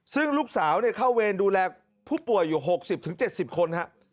ซึ่งลูกสาวเข้าเวรดูแลผู้ป่วยอยู่๖๐๗๐คนฮะ